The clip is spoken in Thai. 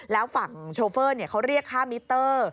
แล้วฝั่งโชเฟอร์เขาเรียกค่ามิเตอร์